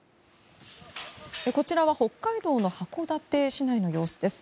こちらは北海道の函館市内の様子です。